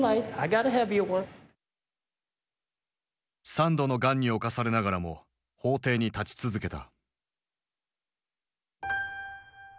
３度のがんに侵されながらも法廷に立ち続けた。